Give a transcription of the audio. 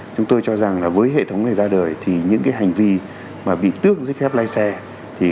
chúng tôi cho rằng là với hệ thống này ra đời thì những hành vi mà bị tước giấy phép lái xe